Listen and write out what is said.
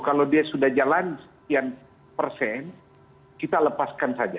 kalau dia sudah jalan sekian persen kita lepaskan saja